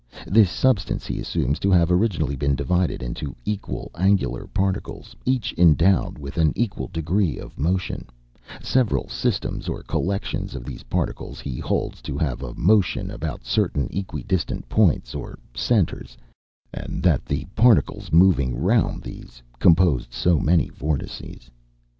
This substance he assumes to have originally been divided into equal angular particles, each endowed with an equal degree of motion; several systems or collections of these particles he holds to have a motion about certain equidistant points, or centres, and that the particles moving round these composed so many vortices.